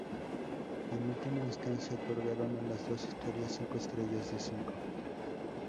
En última instancia, otorgaron a las dos historias cinco estrellas de cinco.